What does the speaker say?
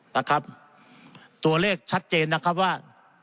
นะครับตัวเลขชัดเจนนะครับว่า